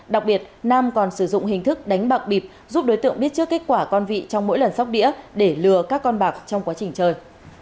đặc biệt nam còn sử dụng hình thức đánh bạc bịp giúp đối tượng biết trước kết quả con vị trong mỗi lần sóc đĩa để lừa các con bạc trong quá trình chơi